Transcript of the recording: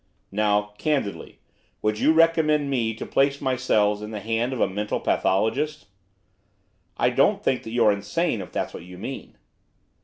'Now, candidly, would you recommend me to place myself in the hands of a mental pathologist?' 'I don't think that you're insane, if that's what you mean.